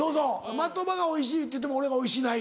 的場がおいしいって言っても俺がおいしない。